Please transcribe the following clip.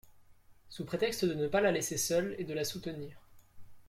sous prétexte de ne pas la laisser seule et de la soutenir.